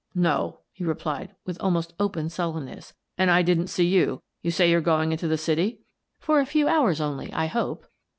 "No," he replied, with almost open sullenness, " arid I didn't see you. You say you're going into the city?" " For a few hours only, I hope."